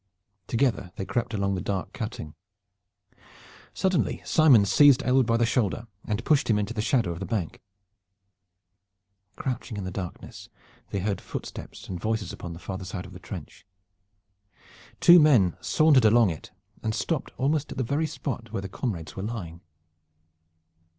Together they crept along the dark cutting. Suddenly Simon seized Aylward by the shoulder and pushed him into the shadow of the bank. Crouching in the darkness, they heard footsteps and voices upon the farther side of the trench. Two men sauntered along it and stopped almost at the very spot where the comrades were lying.